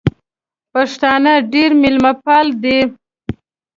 پښتانه ډېر مېلمه پال دي.